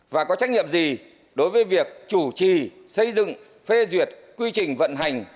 và có trách nhiệm gì đối với việc chủ trì xây dựng phê duyệt quy trình vận hành